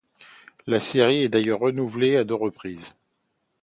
La série est d'ailleurs renouvelée à deux reprises.